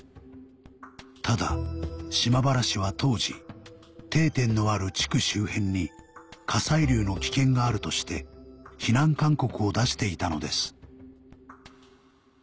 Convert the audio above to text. ただ島原市は当時「定点」のある地区周辺に火砕流の危険があるとして避難勧告を出していたのです